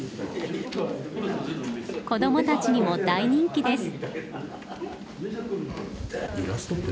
子どもたちにも大人気です。